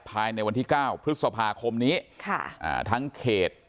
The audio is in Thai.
ภายในวันที่๙พฤษภาคมนี้ทั้งเขต